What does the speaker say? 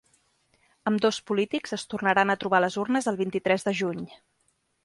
Ambdós polítics es tornaran a trobar a les urnes el vint-i-tres de juny.